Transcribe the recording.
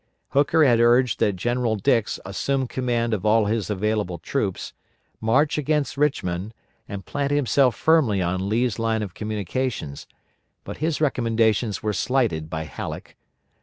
Hooker had urged that General Dix assume command of all his available troops, march against Richmond, and plant himself firmly on Lee's line of communication, but his recommendations were slighted by Halleck.